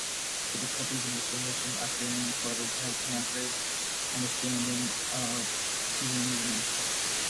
Difficulties in distinguishing Australian corvids has hampered understanding of seasonal movements.